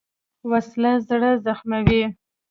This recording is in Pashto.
وسله زړه زخموي